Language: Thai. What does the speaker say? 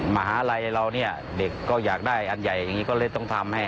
มหาลัยเราเนี่ยเด็กก็อยากได้อันใหญ่อย่างนี้ก็เลยต้องทำให้